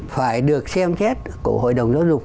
phải được xem xét của hội đồng giáo dục